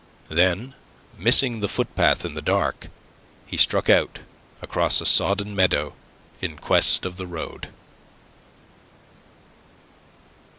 Then, missing the footpath in the dark, he struck out across a sodden meadow in quest of the road.